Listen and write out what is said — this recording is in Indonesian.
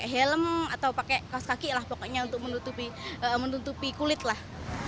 helm atau pakai kaos kaki lah pokoknya untuk menutupi kulit lah